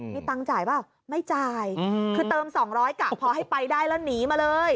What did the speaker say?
มีตังค์จ่ายเปล่าไม่จ่ายคือเติม๒๐๐กะพอให้ไปได้แล้วหนีมาเลย